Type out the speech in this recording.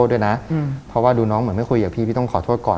ว่าน้องเหมือนไม่คุยกับพี่พี่ต้องขอโทษก่อน